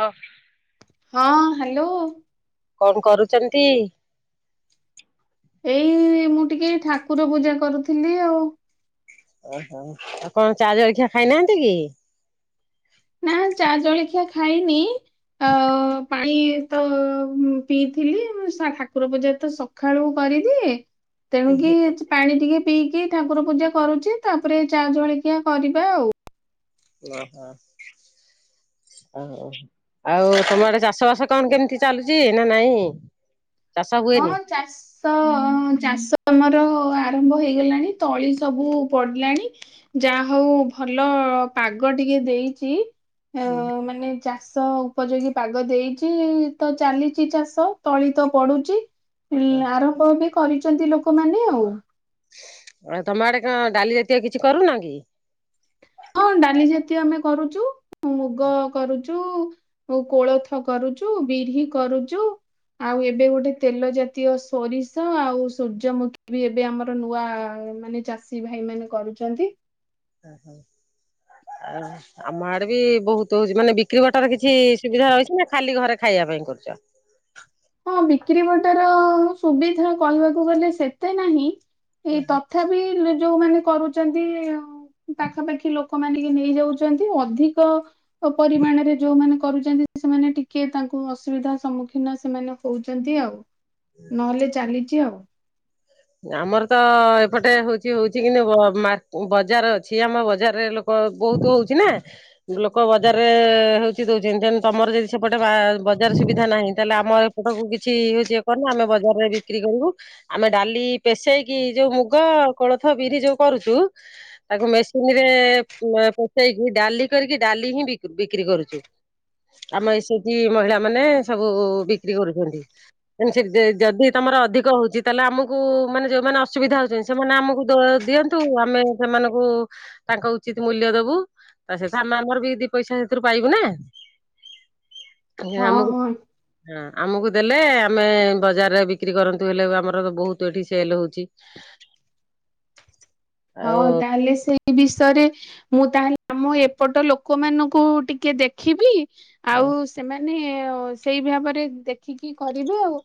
ଅ ହଁ ହ୍ୟାଲୋ। କଣ କରୁଛନ୍ତି? ଏଇ ମୁଁ ଟିକେ ଠାକୁର ପୂଜା କରୁଥିଲି ଆଉ। ଓହୋ ଆଉ କଣ ଚା ଜଳଖିଆ ଖାଇନାହାନ୍ତି କି? ନା ଚା ଜଳଖିଆ ଖାଇନି ଆ ପାଣି ତ ପିଇଥିଲି ମୁ ଠାକୁର ପୂଜା ତ ସଖାଳୁ କରିଦିଏ। ତେଣୁକି ପାଣି ଟିକେ ପିଇକି ଠାକୁର ପୂଜା କରୁଛି ତାପରେ ଚା ଜଳିିକିଆ କରିବା ଆଉ। [inaudible] ଓହୋ ଓ ଆଉ ତମ ଆଡେ ଚାଷ ବାସ କଣ କେମିତି ଚାଲୁଛି ନା ନାଇଁ। ଚାଷ ହୁଏନି? ହଁ ଚାଷ ତ ଚାଷ ଆମର ଆରମ୍ଭ ହେଇଗଲାଣି ତଳି ସବୁ ପଡିଲାଣି। ଯାହା ହଉ ଭଲ ପାଗ ଟିକେ ଦେଇଚି। ଅ ମାନେ ଚାଷ ଅ ଉପଯୋଗୀ ପାଗ ଦେଇଚି ତ ଚାଲିଚି ଚାଷ ତଳି ତ ପଡୁଚି। ହୁଁ ଆରମ୍ଭ ଏବେ କରିଚନ୍ତି ଲୋକମାନେ ଆଉ ତମ ଆଡେ କଣ ଡାଲି ଜାତୀୟ କିଛି କରୁନ କି? ହଁ ଡାଲି ଜାତୀୟ ଆମେ କରୁଚୁ ମୁଗ କରୁଚୁ। ଋ ଆଉ କୋଳଥ କରୁଚୁ ବିରିହି କରୁଚୁ। ଆଉ ଏବେ ଗୋଟେ ତେଲ ଜାତୀୟ ସୋରିଷ ଆଉ ସୂର୍ଯ୍ୟମୁଖୀ ବି ଏବେ ଆମର ନୂଆ ମାନେ ଚାଷୀ ଭାଇ ମାନେ କରୁଚନ୍ତି। ଓ ହୋ ଆମ ଆଡେ ବି ବହୁତ ହଉଚି ମାନେ ବିକ୍ରି ବାଟରେ କିଛି ସୁବିଧା ରହିଛି ନା ଖାଲି ଘରେ ଖାଇବା ପାଇଁ କରୁଚ। ହଁ ବିକ୍ରି ବାଟର ସୁବିଧା କହିବାକୁ ଗଲେ ସେତେ ନାହିଁ ଏଇ ତଥାପି ତଥାପି ଯୋଉମାନେ କରୁଚନ୍ତି ଆଉ ପାଖାପାଖି ଲୋକ ମାନେ ନେଇଯାଉଚନ୍ତି ଅଧିକ ଓପରିମାଣରେ ଯୋଉମାନେ କରୁଚନ୍ତି ସେମାନେ ଟିକେ ତାଙ୍କୁ ଅସୁବିଧା ସମ୍ମୁଖୀନ ସେମାନେ କହୁଚନ୍ତି ଆଉ ନହେଲେ ଚାଲିଚି ଆଉ ଆମର ତ ଏପଟେ ହଉଚି ହଉଛି କିନି ମା-ବଜାର ଅଛି ଆମ ବଜାରରେ ଲୋ ହଁ ବହୁତ ହଉଚି ନା? ଲୋକ ବଜାରରେ ହେଉଚି ଦେଉଛନ୍ତି ତେଣୁ ତମର ଯଦି ସେପଟେ ବା-ବଜାର ସୁବିଧା ନାହିଁ ତାହେଲେ ଆମର ଏ ସେଠାକୁ କିଛି ହଉଚି କରନା ଆମେ ବଜାରରେ ବିକ୍ରି କରିବୁ ଆମେ ଡାଲି ପେଶେଇକି ଯୋଉ ମୁଗ, କୋଳଥ, ବିରି ଯୋଉ କରୁଚୁ। ତାକୁ ମେସିନ ରେ ଫୁଟେଇକି ଡାଲି କରିକି ଡାଲି ହିଁ ବିକ୍ର-ବିକ୍ରି କରୁଚୁ। ଆମେ ଏସିଜି ମହିଳା ମାନେ ସବୁ ବିକ୍ରି କରୁଚନ୍ତି। ଏମ୍ ସିଜେ ଯଦି ତମର ଅଧିକ ହଉଚି ତାହେଲେ ଆମକୁ କେଉଁ ମାନେ ଯୋଉମାନେ ଅସୁବିଧା ହଉଚନ୍ତି ସେମାନେ ଆମକୁ ଦୋ-ଦିଅନ୍ତୁ ଆମେ ସେମାନଙ୍କୁ ତାଙ୍କ ଉଚିତ ମୂଲ୍ୟ ଦବୁ ତା ସହିତ ଆମ ଆମରବି ଦି ପଇସା ସେଥିରୁ ପାଇବୁ ନା ଇଏ ହଁ ଆମକୁ ହଁ ହଁ ଆମକୁ ଦେଲେ ଆମେ ବଜାରରେ ବିକ୍ରି କରନ୍ତୁ ହେଲେ ବି ଆମର ର ବହୁତ ତୁ ଏଠି ସେଲ୍ ହଉଚି। ହଁ ତାହେଲେ ସେ ଏ ବିଷୟରେ ମୁଁ ତାହେଲେ ଆମ ଏପଟ ଲୋକମାନଙ୍କୁ ଟିକେ ଦେଖିବି। ଆଉ ସେମାନେ ଅ -ସେହି ଭାବରେ ଦେଖିକି କରିବେ ଆଉ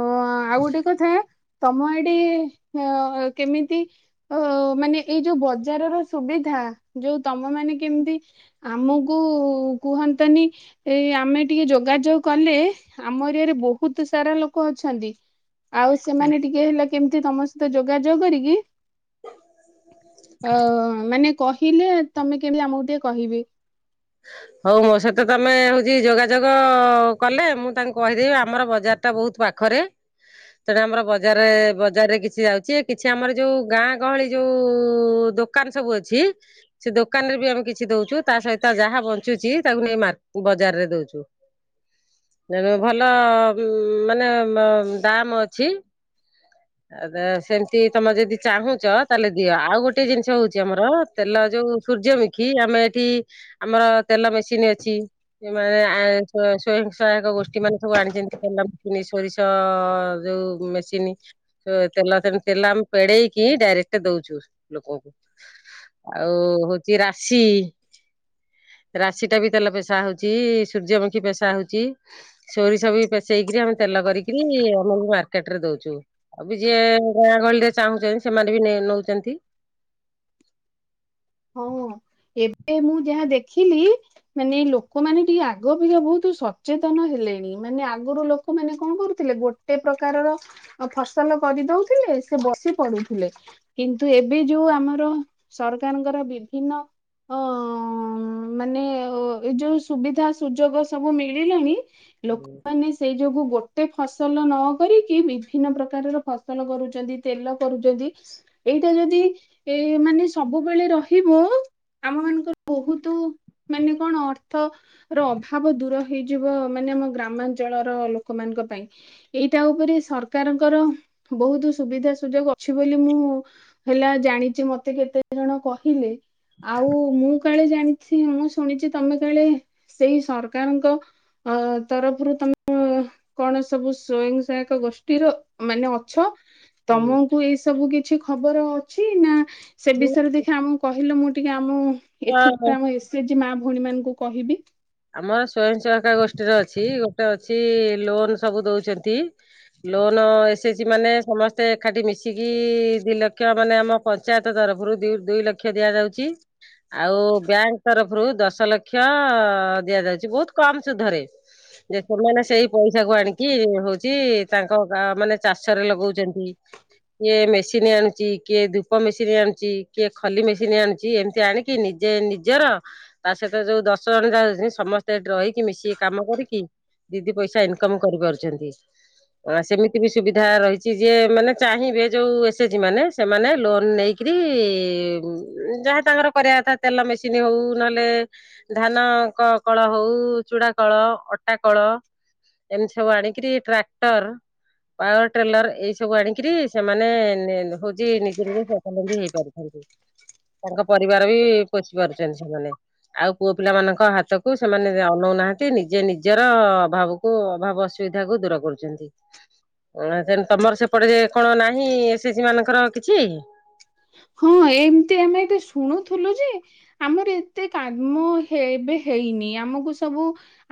ହଁ ଆଉ ଗୋଟେ କଥା ତମ ଆଡ଼େ ହଁ ଅ କେମିତି ଓ ମାନେ ଏଇ ଯୋଉ ବଜାରର ସୁବିଧା ଯୋଉ ତମ ମାନେ କେମିତି ଆମକୁ କୁହନ୍ତାନି। ଏଇ ଆମେ ଟିକେ ଯୋଗାଯୋଗ କଲେ ଆମ ଏରିଆରେ ବହୁତ ସାରା ଲୋକ ଅଛନ୍ତି। ଆଉ ସେମାନେ ଟିକେ ହେଲେ କେମିତି ତମ ସହିତ ଯୋଗାଯୋଗ କରିକି? ଅ ମାନେ କହିଲେ ତମେ କେହି ଆମକୁ ଟିକେ କହିବେ। ହଉ ମୋ ସହିତ ତମେ ହଉଚି ଯୋଗାଯୋଗ କଲେ ମୁଁ ତାଙ୍କୁ କହିଦେବି ଆମର ବଜାର ଟା ବହୁତ ପାଖରେ ସେଠା ଆମର ବଜାରେ ବଜାରରେ କିଛି ଯାଉଚି କିଛି ଆମର ଯୋଉ ଗାଁ ଗହଳି ଯୋଉ ଦୋକା ଦୋକାନ ସବୁ ଅଛି ସେ ଦୋକାନ ରେ ବି ଆମେ କିଛି ଦଉଚୁ ତା ସହିତ ତା ଯାହା ବଞ୍ଚୁଚି ତାକୁ ନେଇ ମାର୍କେ-ବଜାରରେ ଦଉଚୁ। ଭଲ ଉ ମାନେ ଦାମ ଅଛି। ଆଦାସ୍ ସେମତି ତମେ ଯଦି ଚାହୁଁଚ ତାହେଲେ ଦିଅ ଆଉ ଗୋଟେ ଜିନିଷ ହଉଚି ଆମର ତେଲ ଯୋଉ ସୂର୍ଯ୍ୟମୁଖୀ ଆମେ ଏଠି ଆମର ତେଲ ମେସିନ୍ ଅଛି। ଯେଉଁ ମାନେ ଆଣିଚନ୍ତି ସ୍ବୟଂ ସହାୟକ ଗୋଷ୍ଠୀ ମାନେ ସବୁ ଆଣିଚନ୍ତି ତେଲ, ଚିନି, ସୋରିଷ ତ ଯୋଉ ମେସିନ୍ ହଁତେଲ କେମିତି ତେଲ ଆମେ ପେଡେଇକି ଡାଇରେକ୍ଟ ଦଉଚୁ ଲୋକଙ୍କୁ ଆଉ ହଉଛି ରାଶି ରାଶି ଟା ବି ତେଲ ପେଶା ହଉଚି ସୂର୍ଯ୍ୟମୁଖୀ ପେଶା ହଉଚି। ସୋରିଷ ବି ପେସେଇକରି ଆମେ ତେଲ କରିକିରି ଆମେ ବି ମାର୍କେଟ ରେ ଦଉଚୁ। ଆଉ ବି ଯିଏ ଗାଁ ଗହଳିରେ ଚାହୁଁଛନ୍ତି ସେମାନେ ବି ନେ-ନଉଛନ୍ତି। ହଉ ହ ଏବେ ମୁଁ ଯାହା ଦେଖିଲି ମାନେ ଏଇ ଲୋକମାନେ ଟିକେ ଆଗ ଅପେକ୍ଷା ବହୁତ ସଚେତନ ହେଲେଣି ମାନେ ଆଗରୁ ଲୋକମାନେ କଣ କରୁଥିଲେ ଗୋ ଗୋଟେ ପ୍ରକାରର ଅ ଫସଲ କରିଦଉଥିଲେ ସେ ବସି ପଡୁଥିଲେ। କିନ୍ତୁ ଏବେ ଯୋଉ ଆମର ସରକାରଙ୍କର ବିଭିନ୍ନ। ଅ ମାନେ ଏ ଯୋଉ ସୁବିଧା ସୁଯୋଗ ସବୁ ମିଳିଲାଣି ଲୋକମାନେ। ସେଇ ଯୋଗୁ ଗୋଟେ ଫସଲ ନ କରିକି ବିଭିନ୍ନ ପ୍ରକାରର ଫସଲ କରୁଛନ୍ତି ତେଲ କରୁଛନ୍ତି। ଏଇଟା ଯଦି ଏ ମାନେ ସବୁ ସବୁବେଳେ ରହିବ ଆମ ମାନଙ୍କର ବହୁତ ମାନେ କଣ ଅର୍ଥ। ର ଅଭାବ ଦୂର ହେଇଯିବ ମାନେ ଆମ ଗ୍ରାମାଞ୍ଚଳର ଲୋକମାନାନଙ୍କ ପାଇଁ। ଏଇଟା ଉପରେ ସରକାରଙ୍କର ବହୁତ ସୁବିଧା ସୁଯୋଗ ଅଛି ବୋଲି ମୁଁ ହେଲା ଜାଣିଛି ମତେ କେତେ ଜଣ କହିଲେ। ଆଉ ମୁଁ କାଳେ ଜାଣିଛି ମୁଁ ଶୁଣିଛି ତମେ କାଳେ ସେଇ ସରକାରଙ୍କ। ଅ ତରଫରୁ ତମକୁ। କଣ ସବୁ ସ୍ଵୟଂ ସହାୟୀକା ଗୋଷ୍ଠୀର ମାନେ ଅଛ। ତମକୁ ଏଇ ସବୁ କିଛି ଖବର ଅଛି ନା। ସେ ବିଷୟରେ ଦେଖିଆ ଆମକୁ କହିଲ ମୁଁ ଟିକେ ଆମ ହୁଁ ଏଠିକା ଆମ ଏସେଜି ମା ଭଉଣୀ ମାନଙ୍କୁ କହିବି। ଆମର ସ୍ଵୟଂ ସହାୟୀକା ଗୋଷ୍ଠୀର ଅଛି ଗୋଟେ ଅଛି ଲୋନ ସବୁ ଦଉଛନ୍ତି। ଲୋନ ଏସେଚି ମାନେ ସମସ୍ତେ ଏକାଠି ମିଶିକି ଦି ଲକ୍ଷ ମାନେ ଆମ। ପଞ୍ଚାୟତ ତରଫରୁ ଦୁଇ ଦୁଇ ଲକ୍ଷ ଦିଆଯାଉଛି। ଆଉ ବ୍ୟାଙ୍କ ତରଫରୁ ଦଶ ଲକ୍ଷ ଅ -ଦିଆଯାଉଛି ବହୁତ କମ ସୁଧରେ। ଯେ ସେମାନେ ସେଇ ପଇସା କୁ ଆଣିକି ହଉଛି ତାଙ୍କ ଗାଁ ମାନେ ଚାଷରେ ଲଗଉଛନ୍ତି। କିଏ ମେସିନ୍ ଆଣୁଛି କିଏ ଧୂପ ମେସିନ୍ ଆଣୁଛି କିଏ ଖଲି ମେସିନ୍ ଆଣୁଛି ଏମତି ଆଣି କି ନିଜେ ନିଜର ତା ସହିତ ଯୋଉ ଦଶ ଜଣ ଯାଉଛି। ସମସ୍ତେ ଏଠି ରହିକି ମିଶିକି କାମ କରିକି ଦି ଦି ପଇସା ଇନକମ୍ କରିପାରୁଚନ୍ତି। ସେମିତି ବି ସୁବିଧା ରହିଛି ଯିଏ ମାନେ ଚାହିଁବେ ଯୋଉ ଏସେଜି ମାନେ ସେମାନେ ଲୋନ ନେଇ। କିରି ଯାହା ତାଙ୍କର କରିବା କଥା ତେଲ ମେସିନ୍ ହଉ ନହେଲେ। ଧାନ କ କଳ ହଉ ଚୁଡା କଳ ଅଟା କଳ। ଏମିତି ସବୁ ଆଣିକିରି ଟ୍ରାକ୍ଟର। ପାୱାର ଟ୍ରେଲର ଏଇ ସବୁ ଆଣିକିରି ସେମାନେ ନେ ନ ହଉଛି ନିଜେ ନିଜେ ସ୍ୱାବଲମ୍ବି ହେଇ ପାରୁଛନ୍ତି। ତାଙ୍କ ପରିବାର ବି ପୋସି ପାରୁଛନ୍ତି ସେମାନେ ଆଉ ପୁଅ ପିଲା ମାନଙ୍କ ହାତ କୁ ସେମାନେ ଅନଉନାହାନ୍ତି ନିଜେ ନିଜର ଅଭାବକୁ ଅଭାବ ଅସୁବିଧା କୁ ଦୂର କରୁଚନ୍ତି। ଅଁ ତମର ସେପଟେ ଯେ କଣ ନାହିଁ ଏସେଜି ମାନଙ୍କର କିଛି। ହଁ ଏମିତି ଆମେ ଏଠି ଶୁଣୁଥିଲୁ ଯେ ଆମର ଏତେ କାମ ହେବେ ହେଇନି ଆମୁକୁ ସବୁ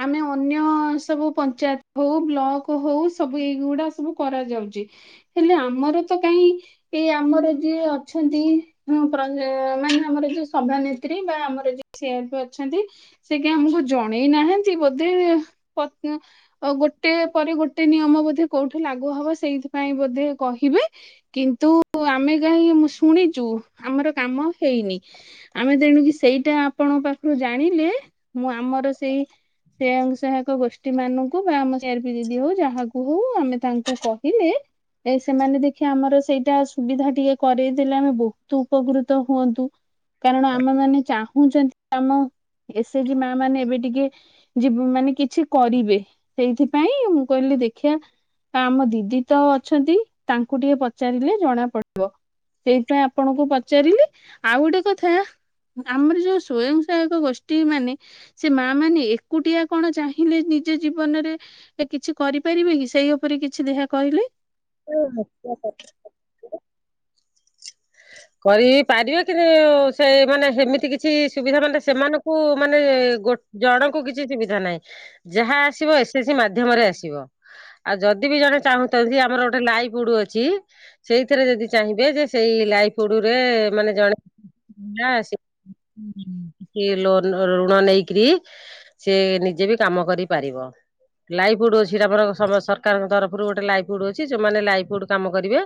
ଆମେ ଅନ୍ୟ ସବୁ ପଞ୍ଚାୟତ ହଉ ବ୍ଲକ ହଉ ସବୁ ଏଇଗୁଡା ସବୁ କରାଯାଉଚି। ହେଲେ ଆମର ତ କାହିଁ ଏ ଆମର ଯିଏ ଅଛନ୍ତି। ହଁ ପରା ଯେ ମାନେ ଆମର ଯିଏ ସଭାନେତ୍ରୀ ବା ଆମର ଯିଏ ସିଆରପି ଅଛନ୍ତି। ସେ କିଆଁ ଆମକୁ ଜଣେଇ ନାହାଁନ୍ତି ବୋଧେ ପ ଉଁ ଓ ଗୋଟିଏ ପରେ ଗୋଟେ ନିୟମ ବୋଧେ କୋଉଠି ଲାଗୁ ହବ ସେଇଥିପାଇଁ ବୋଧେ କହିବେ। କିନ୍ତୁ ଆମେ କାହିଁ ଶୁଣିଛୁ ଆମର କାମ ହେଇନି। ଆମେ ତେଣିକି ସେଇଟା ଆପଣଙ୍କ ପାଖରୁ ଜାଣିଲେ ମୁଁ ଆମର ସେଇ ସ୍ୱୟଂ ସହାୟକ ଗୋଷ୍ଠୀ ମାନଙ୍କୁ ବା ଆମ ସିଆରପି ଦିଦି ହଉ ଯାହାକୁ କୁ ଆମେ ତାଙ୍କୁ କହିଲେ ଏ ସେମାନେ ଦେଖି ଆମର ସେଇଟା ସୁବିଧା ଟିକେ କରେଇ ଦେଲେ ଆମେ ବହୁତ ଉପକୃତ ହୁଅନ୍ତୁ କାରଣ ଆମେ ମାନେ ଚାହୁଁଛନ୍ତି ଆମ ଏସେଜି ମା ମାନେ ଏବେ ଟିକେ ଯିବୁ ମାନେ କିଛି କରିବେ ସେଇଥିପାଇଁ ମୁଁ କହିଲି ଦେଖିବା। ଆମ ଦିଦି ତ ଅଛନ୍ତି ତାଙ୍କୁ ଟିକେ ପଚାରିଲେ ଜଣା ପଡିବ। ସେଇଥିପାଇଁ ଆପଣଙ୍କୁ ପଚାରିଲି ଆଉ ଗୋଟେ କଥା ଆମର ଯୋଉ ସ୍ଵୟଂ ସହାୟକ ଗୋଷ୍ଠୀ ମାନେ ସେ ମା ମାନେ ଏକୁଟିଆ କଣ ଚାହିଁଲେ ନିଜ ଜୀବନରେ ସେ କିଛି କରିପାରିବେ କି ସେଇ ଉପରେ କିଛି ଦେଖିଆ କହିଲେ। [inaudible] କରି ବି ପାରିବେ କିନ୍ତ ସେ ମାନେ ସେମିତି କିଛି ସୁବିଧା ମାନେ ସେମାନଙ୍କୁ ମାନେ ଗୋ ଜଣଙ୍କୁ କିଛି ସୁବିଧା ନାହିଁ ଯାହା ଆସିବ ଏସ ସି ମାଧ୍ୟମରେ ଆସିବ। ଆଉ ଯଦି ବି ଜଣେ ଚାହୁଁଛନ୍ତି ଆମର ଗୋଟେ ଲାଇଫୁଡ ଅଛି। ସେଇଥିରେ ଯଦି ଚାହିଁବେ ଯେ ସେଇ ଲାଇପ୍ ହୁଡୁରେ ମାନେ ଜଣେ ଯା ଆସି ଇଏ ଲୋନ ଋଣ ନେଇକିରି ସେ ନିଜେ ବି କାମ କରିପାରିବ। ଲାଇପ୍ ହୁଡ ଅଛି ହେଟା ଆମର ସମ ସରକାରଙ୍କ ତରଫରୁ ଗୋଟେ ଲାଇପ୍ ହୁଡ ଅଛି ଯୋଉମାନେ ଲାଇଫ୍ ହୁଡ କାମ କରିବେ।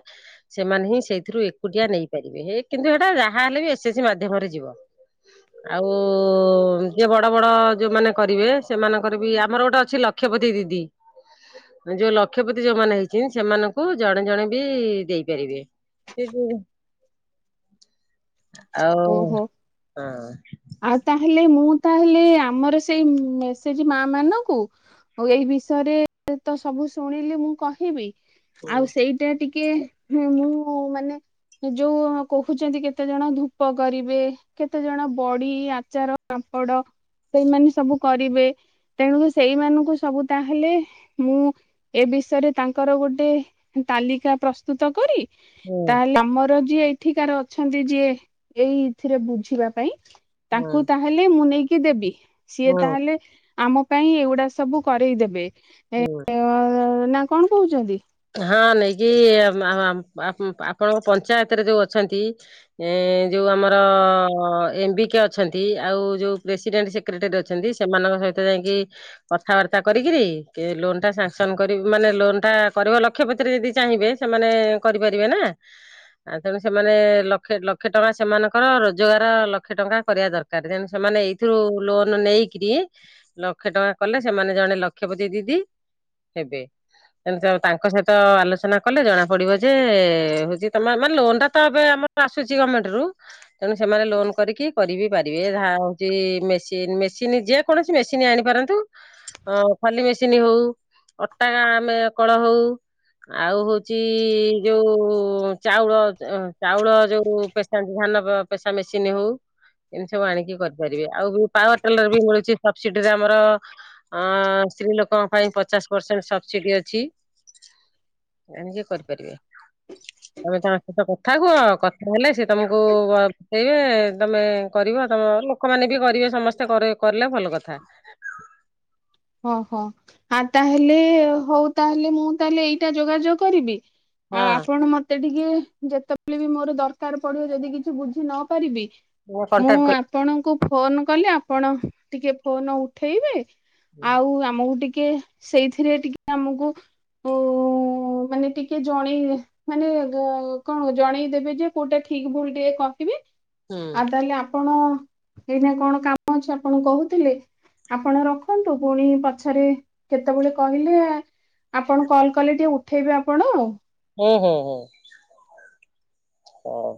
ସେମାନେ ହିଁ ସେଇଥିରୁ ଏକୁଟିଆ ନେଇପାରିବେ ହେଇ କିନ୍ତୁ ସେଟା ଯାହା ହେଲେ ଏସ୍ ସି ମାଧ୍ୟମରେ ଯିବ। ନାଁ ଆଉ ଯିଏ ବଡ଼ ବଡ଼ ଯେଉଁମାନେ କରିବେ ସେମାନଙ୍କର ବି ଆମର ଗୋଟେ ଅଛି ଲକ୍ଷପତି ଦିଦି। ଯୋଉ ଲକ୍ଷପତି ଯୋଉ ମାନେ ହେଇଛନ୍ତି ସେମାନଙ୍କୁ ଜଣେ ଜଣେ ବି ଦେଇପାରିବେ। ସିଏ କୋଉଠୁ ଓହୋ ଆଉ ହଁ। ଆଉ ତାହେଲେ ମୁଁ ତାହେଲେ ଆମର ସେଇ ମେ ସେ ଜି ମା ମାନଙ୍କୁ ହଉ ଏଇ ବିଷୟରେ ତ ସବୁ ଶୁଣିଲି ମୁଁ କହିବି ଆଉ ହୁଁ ସେଇ ଯେ ଟିକେ ମୁଁ ମାନେ ଯୋଉ କହୁଛନ୍ତି କେତେ ଜଣ ଧୂ କଣ କରିବେ କେତେ ଜଣ ବଢ଼ି ଆଚାର ପାମ୍ପଡ ସେଇମାନେ ସବୁ କରିବେ ତେଣୁକି ସେଇମାନଙ୍କୁ ସବୁ ତାହେଲେ ମୁଁ ଏ ବିଷୟରେ ତାଙ୍କର ଗୋଟେ ତାଲିକା ପ୍ରସ୍ତୁତ କରି ହୁଁ ତାହେଲେ ଆମର ଯିଏ ଏଠିକାର ଅଛନ୍ତି ଯିଏ। ଏଇଥିରେ ବୁଝିବା ପାଇଁ ହୁଁ ତାଙ୍କୁ ତାହେଲେ ମୁଁ ନେଇକି ଦେବି। ସିଏ ହୁଁ ତାହେଲେ ଆମ ପାଇଁ ଏଗୁଡା ସବୁ କରେଇଦେବେ। ହୁ। ତ ନା କଣ କହୁଛନ୍ତି? ହଁ ନେଇକି ଆପଣଙ୍କ ପଞ୍ଚାୟତରେ ଯୋଉ ଅଛନ୍ତି। ଏ ଯୋଉ ଆମର ଏମବିକେ ଅ ଅଛନ୍ତି ଆଉ ଯୋଉ ପ୍ରେସିଡେଣ୍ଟ ସେକ୍ରେଟାରୀ ଅଛନ୍ତି ସେମାନଙ୍କ ସହିତ ଯାଇକି କଥାବାର୍ତ୍ତା କରିକିରି ଲୋନ ଟା ସାଙ୍କସନ କରିବି ମାନେ ଲୋନ ଟା କରିବ ଲକ୍ଷ୍ୟ ପତିରେ ଯଦି ଚାହିଁବେ ସେମାନେ କରିପାରିବେ ନାଁ। ଆଁ ତେଣୁ ସେମାନେ ଲକ୍ଷେ ଲକ୍ଷେ ଟଙ୍କା ସେମାନଙ୍କର ରୋଜଗାର ଲକ୍ଷେ ଟଙ୍କା କରିବା ଦର [unintelligible] ସେମାନେ ଏଇଥିରୁ ଲୋନ ନେଇକିରି ଲକ୍ଷେ ଟଙ୍କା କଲେ ସେମାନେ ଜଣେ ଲକ୍ଷପତି ଦିଦି ହେବେ। ଏମିତି ତାଙ୍କ ସହିତ ଆଲୋଚନା କଲେ ଜଣା ପଡିବ ଯେ ହଉଛି ତମ ମାନେ ଲୋନ ଟା ତ ଏବେ ଆମ ଆସୁଛି ଗମେଣ୍ଟ ରୁ। ତେଣୁ ସେମାନେ ଲୋନ କରିକି। କରିିବି ପାରିବେ ଯାହା ହଉଛି ମେସିନ ମେସିନ୍ ଯେ କୌଣସି ମେସିନ୍ ଆଣିପାରନ୍ତୁ ଖଲି ମେସିନ୍ ହଉ ଅଟା ଆମେ କଳ ହଉ। ଆଉ ହଉଛି ଯୋଉ ଚାଉଳ ଚାଉଳ ଯୋଉ ପେ ଧାନ ପେସା ମେସିନ ହଉ। ଏମିତି ସବୁ ଆଣିକି କରିପାରିବେ ଆଉ ପାୱାର ଟେଲର ବି ମିଳୁଛି ସବସିଡ ରେ ଆମର ହଁ ସ୍ତ୍ରୀ ଲୋକଙ୍କ ପାଇଁ ପଚାଶ ପରସେଣ୍ଟ ସବସିଡି ଅଛି। ଏମିତି କରିପାରିବେ ତମେ ତାଙ୍କ ସହିତ କଥା ହୁଅ କଥା ହେଲେ ତମକୁ ୱାବ ହେଇବେ ତମେ କରିବ ତମ ଲୋକମାନେ ବି କରିବେ ସମସ୍ତେ କରାଇ କରିଲେ ଭଲ କଥା। ଓହୋ ହଁ ହଁ ଆଟା ତାହେଲେ ହଉ ତାହେଲେ ମୁଁ ତାହେଲେ ଏଇଟା ଯୋଗାଯୋଗ କରିବି। ଆଉ ଆପଣ ମତେ ଟିକେ ଯେତେବେଳେ ବି ମୋର ଦରକାର ପଡ଼ିବ ଯଦି କିଛି ବୁଝି ନ ପାରିବି। ହଁ ମୁଁ କଣ୍ଟାକ୍ଟ କରି ଆପଣଙ୍କୁ ଫୋନ୍ କଲେ ଆପଣ ଟିକେ ଫୋନ୍ ଉଠେଇବେ। ଆଉ ଆମକୁ ଟିକେ ସେଇଥିରେ ଟିକେ ଆମକୁ ଓ ମାନେ ଟିକେ ଜଣେଇବେ। ମାନେ କଣ ଜଣେଇଦେବେ ଯେ କୋଉଟା ଠିକ ଭୁଲ ଟିକେ କହିବେ। ହୁଁ ଆଉ ତାହେଲେ ଆପଣ ଏଇନା କଣ କାମ ଅଛି ଆପଣ କହୁଥିଲେ ଆପଣ ରଖନ୍ତୁ। ପୁଣି ପଛରେ କେତେବେଳେ କହିଲେ ଆପଣ କଲ୍ କଲେ ଟିକେ ଉଠେଇବେ ଆପଣ ଆଉ। ଓ ହଁ ହଁ। ହଁ।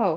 ହଉ।